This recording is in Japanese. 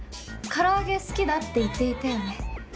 唐揚げ好きだって言っていたよね？